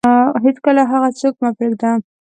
هیڅکله هغه څوک مه پرېږده